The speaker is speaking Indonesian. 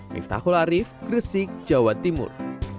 miftahul arief gresik jawa timur